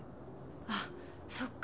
あっそっか。